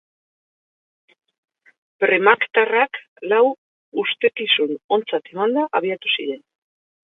Premacktarrak lau ustekizun ontzat emanda abiatu ziren.